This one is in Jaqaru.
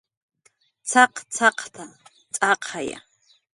"cx""aqcx""aqta, cx'aqaya"